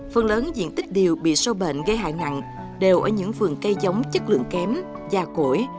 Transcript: phần lớn diện tích điều bị sâu bệnh gây hại nặng đều ở những vườn cây giống chất lượng kém già cỗi